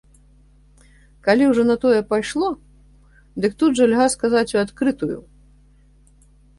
Калі ўжо на тое пайшло, дык тут жа льга сказаць у адкрытую.